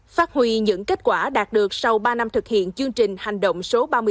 phát huy những kết quả đạt được sau ba năm thực hiện chương trình hành động số ba mươi bốn